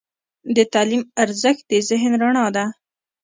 د تعلیم ارزښت د ذهن رڼا ده.